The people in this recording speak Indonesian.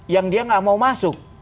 yang dia nggak mau masuk